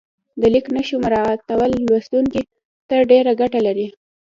د لیک نښو مراعاتول لوستونکي ته ډېره ګټه لري.